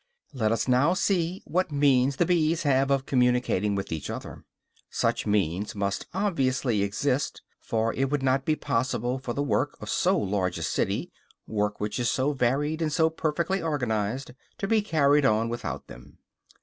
Let us now see what means the bees have of communicating with each other. Such means must obviously exist, for it would not be possible for the work of so large a city, work which is so varied and so perfectly organized, to be carried on without them.